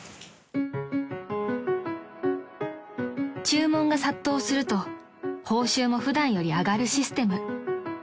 ［注文が殺到すると報酬も普段より上がるシステム］